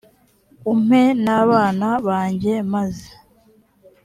umpe n abana banjye maze